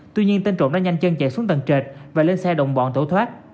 tuy nhiên tên trộm đã nhanh chân chạy xuống tầng trệt và lên xe đồng bọn tổ thoát